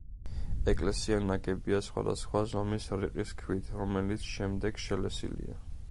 ეკლესია ნაგებია სხვადასხვა ზომის რიყის ქვით, რომელიც შემდეგ შელესილია.